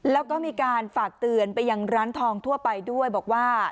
แล้วก็มีการฝากเตือนไปยังร้านทองทั่วไปด้วยบอกว่า